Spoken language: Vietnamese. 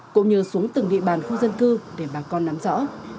cũng như xuống từng địa bàn khu dân cư để bà con nắm rõ